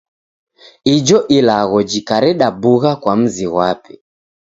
Ijo ilagho jikareda bugha kwa mzi ghwape.